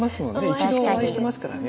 一度お会いしてますからね。